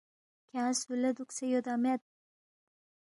کھیانگ سُو لہ دُوکسے یودا مید؟